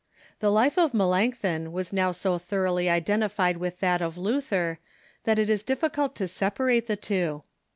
The life of Melanchthon was now so thoroughly identified with that of Luther that it is difficult to separate the two.